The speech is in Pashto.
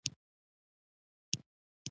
انسانیت ته زیاته اړتیا لرو.